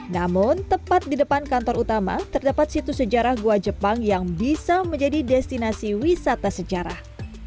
namun tepat di depan kantor utama terdapat situs sejarah goa jepang yang bisa menjadi destinasi wisata sejarah